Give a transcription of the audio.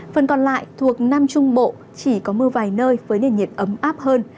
phần còn lại thuộc nam trung bộ chỉ có mưa vài nơi với nền nhiệt ấm áp hơn